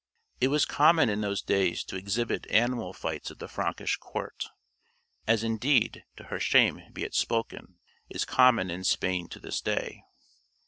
It was common in those days to exhibit animal fights at the Frankish court, as indeed, to her shame be it spoken, is common in Spain to this day.